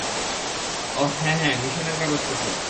অহ, হ্যাঁ, হ্যাঁ, মিশনের কাগজপত্র।